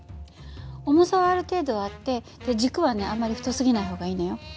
重さはある程度あって軸はねあんまり太すぎない方がいいのよ。